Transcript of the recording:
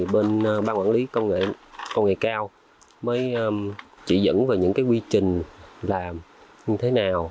bên ban quản lý công nghệ cao mới chỉ dẫn về những quy trình làm như thế nào